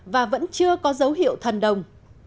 và vẫn chưa có dấu hiệu thần đồng